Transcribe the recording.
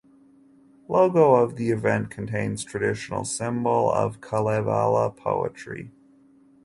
Logo of the event contains traditional symbol of Kalevala poetry.